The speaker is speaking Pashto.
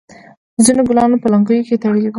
ځینو ګلان په لونګیو کې تړلي وي.